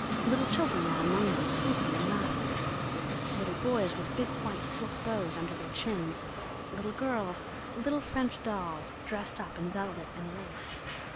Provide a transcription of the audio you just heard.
Little children ran among them, swooping and laughing; little boys with big white silk bows under their chins, little girls, little French dolls, dressed up in velvet and lace.